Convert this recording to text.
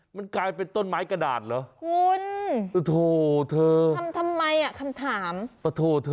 มันกลายเป็นต้นไม้กระดาษเหรอคุณโอ้โหเธอทำทำไมอ่ะคำถามป่ะโถเธอ